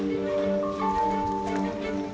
telah menggunakan sholat jumat